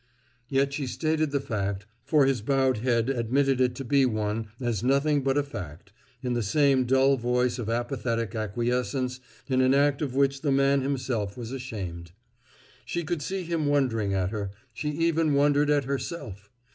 Yet she stated the fact, for his bowed head admitted it to be one, as nothing but a fact, in the same dull voice of apathetic acquiescence in an act of which the man himself was ashamed. She could see him wondering at her; she even wondered at herself.